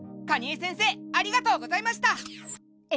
蟹江先生ありがとうございました！